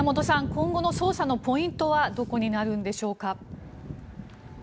今後の捜査のポイントはどこになるんでしょうか。